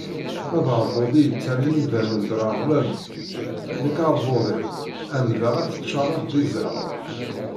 Ma d aɛebbuḍ i yettarran imdanen dreɣlen, nekk aɛebbuḍ-iw ɛemdeɣ ad t-ččareɣ d iẓra.